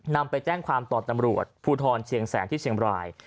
นำไปแจ้งความต่อตำรวจภูทรเชียงแสนที่เชียงบราย